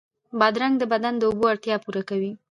بادرنګ د بدن د اوبو اړتیا پوره کوي.